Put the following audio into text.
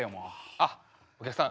あっお客さん